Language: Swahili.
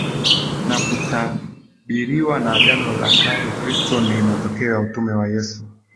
na kutabiriwa na Agano la KaleUkristo ni matokeo ya utume wa Yesu